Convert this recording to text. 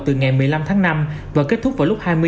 từ ngày một mươi năm tháng năm và kết thúc vào lúc hai mươi